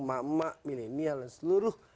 mak mak millenial dan seluruh